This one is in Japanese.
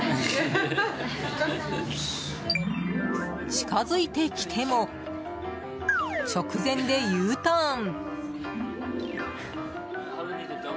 近づいてきても直前でＵターン。